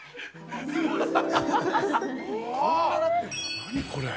何これ？